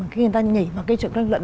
khi người ta nhảy vào cái trận tranh luận